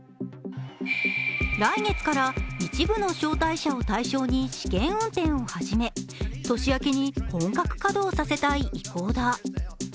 来月から一部の招待者を対象に試験運転を始め年明けに本格稼働させたい意向だ。